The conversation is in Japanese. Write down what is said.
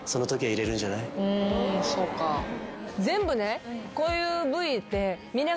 全部ねこういうＶって。